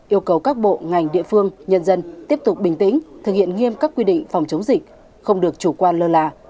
yêu cầu các bộ ngành địa phương nhân dân tiếp tục bình tĩnh thực hiện nghiêm các quy định phòng chống dịch không được chủ quan lơ là